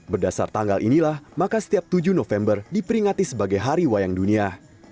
berdasar tanggal inilah maka setiap tujuh november diperingati sebagai hari wayang dunia